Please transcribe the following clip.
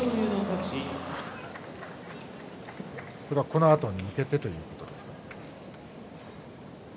このあとに向けてということですか？